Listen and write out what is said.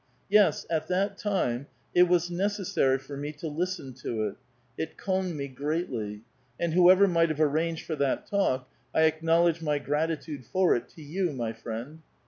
Yes, at that time it was necessary for me to listen to it ; it calmed me greatly ; and whoever might have arranged for that talk, I acknowl edge my gratitude for it to you, my friend.